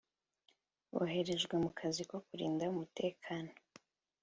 boherejwe mu kazi ko kurinda umutekano